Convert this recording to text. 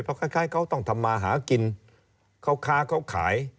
พอแค่เขาต้องทำมาหากินเขาข้าเขาขาย